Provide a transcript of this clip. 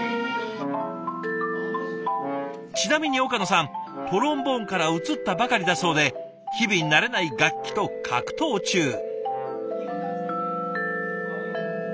ちなみに岡野さんトロンボーンから移ったばかりだそうで日々慣れない楽器と格闘中。